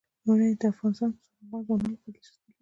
منی د افغان ځوانانو لپاره دلچسپي لري.